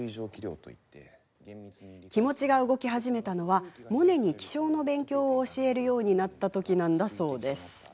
気持ちが動き始めたのはモネに気象の勉強を教えるようになったときなんだそうです。